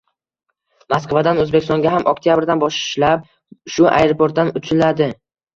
Moskvadan Oʻzbekistonga ham oktyabrdan boshlab shu aeroportdan uchiladi.